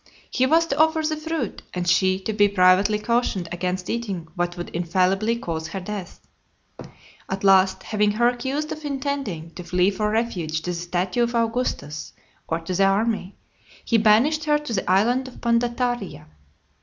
He was to offer the fruit, and she to be privately cautioned against eating what would infallibly cause her death. At last, having her accused of intending to flee for refuge to the statue of Augustus, or to the army, he banished her to the island of Pandataria .